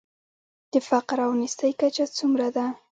د فقر او نیستۍ کچه څومره ده؟